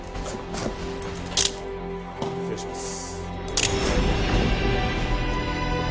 失礼します。